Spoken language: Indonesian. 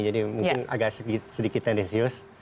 jadi mungkin agak sedikit sedikitnya risius